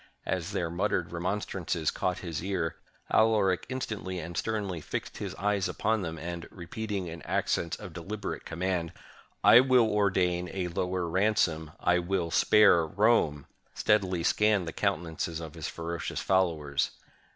As their muttered remonstrances caught his ear, Alaric instantly and sternly fixed his eyes upon them; and, repeating in accents of deliberate command, "I will ordain a lower ransom; I will spare Rome," steadily scanned the countenances of his ferocious followers.